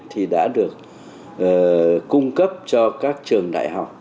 thì đã được cung cấp cho các trường đại học